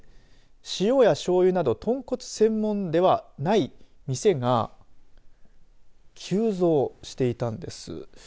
塩やしょうゆなど豚骨専門ではない店が急増していたんです。